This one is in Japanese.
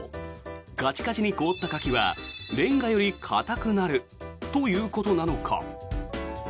カチカチに凍った柿はレンガより硬くなるということなのか。